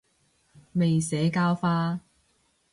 未社教化